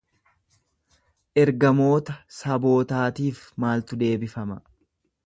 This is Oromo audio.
Ergamoota sabootaatiif maaltu deebifama?